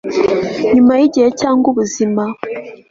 nyuma yigihe cyangwa ubuzima